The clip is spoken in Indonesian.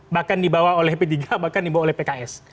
bahkan dibawa oleh p tiga bahkan dibawa oleh pks